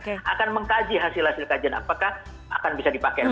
kita akan kaji hasil hasil kajian apakah akan bisa dipakai